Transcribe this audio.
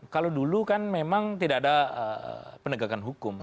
kalau dulu kan memang tidak ada penegakan hukum